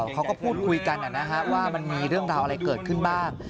เขาก็พูดคุยกันว่ามันมีเรื่องราวอะไรเกิดขึ้นบ้าง